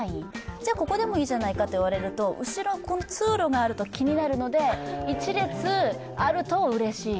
じゃあ、ここでもいいじゃないかと言われると、後ろに通路がある気になるので、１列あるとうれしい。